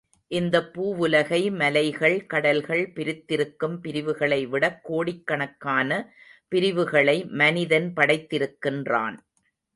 இந்தப் பூவுலகை மலைகள், கடல்கள் பிரித்திருக்கும் பிரிவுகளை விடக் கோடிக்கணக் கான பிரிவுகளை மனிதன் படைத்திருக்கின்றான்.